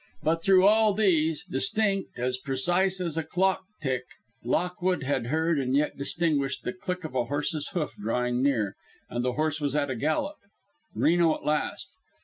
But through all these, distinct, as precise as a clock tick, Lockwood had heard, and yet distinguished, the click of a horse's hoof drawing near, and the horse was at a gallop: Reno at last.